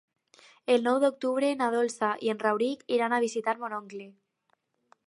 El nou d'octubre na Dolça i en Rauric iran a visitar mon oncle.